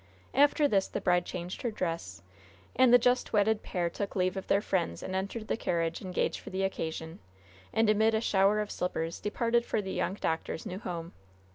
After this the bride changed her dress, and the just wedded pair took leave of their friends, and entered the carriage engaged for the occasion, and amid a shower of slippers departed for the young doctor's new home.